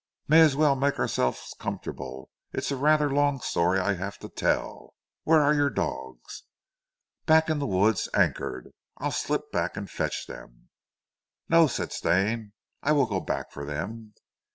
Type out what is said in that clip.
"May as well make ourselves comfortable. It's rather a long story I have to tell. Where are your dogs?" "Back in the wood anchored. I'll slip back and fetch them." "No," said Stane, "I will go back for them."